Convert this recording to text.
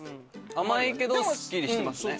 甘いけどすっきりしてますね。